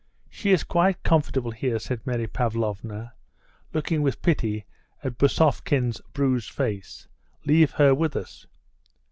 "She is quite comfortable here," said Mary Pavlovna, looking with pity at Bousovkin's bruised face. "Leave her with us."